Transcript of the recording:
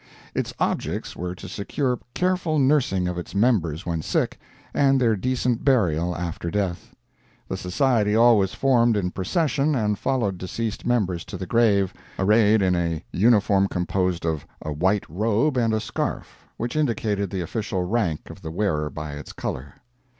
Its objects were to secure careful nursing of its members when sick, and their decent burial after death. The society always formed in procession and followed deceased members to the grave, arrayed in a uniform composed of a white robe and a scarf, which indicated the official rank of the wearer by its color.